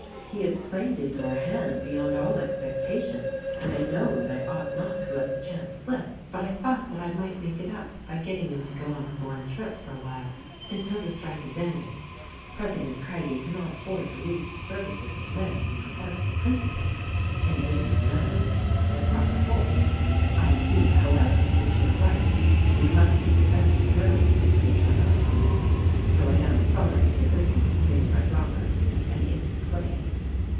"He has played into our hands beyond all expectation, and I know that I ought not to let the chance slip; but I thought that I might make it up by getting him to go on a foreign trip for a while — until the strike is ended. President Craggie cannot afford to lose the services of men who profess the principles — in business matters — that Robert holds. I see, however, that you are right; we must take advantage of every slip made by our opponents — though I am sorry that this one was made by Robert and in this way."